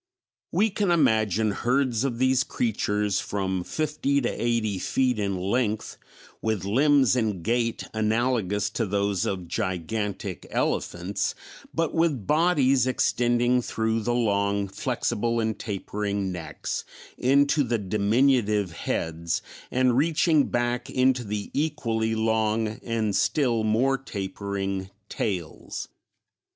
We can imagine herds of these creatures from fifty to eighty feet in length, with limbs and gait analogous to those of gigantic elephants, but with bodies extending through the long, flexible, and tapering necks into the diminutive heads, and reaching back into the equally long and still more tapering tails.